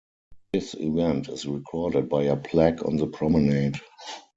This event is recorded by a plaque on the promenade.